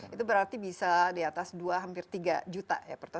itu berarti bisa di atas dua hampir tiga juta ya